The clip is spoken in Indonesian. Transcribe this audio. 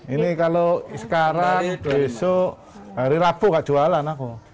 ini kalau sekarang besok hari rabu gak jualan aku